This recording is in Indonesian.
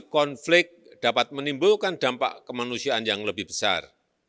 konflik dapat menimbulkan dampak kemanusiaan yang lebih besar